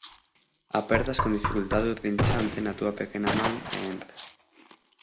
Apertas con dificultade o trinchante na túa pequena man e entras.